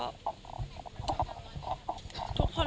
ทุกคน